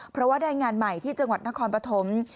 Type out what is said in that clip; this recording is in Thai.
เพราะว่าได้งานใหม่ที่จังหวัดนครปฐม